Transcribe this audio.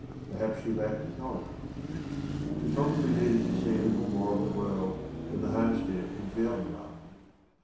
Perhaps she lacked knowledge. She probably needed to see a little more of the world than the homestead in Vermland.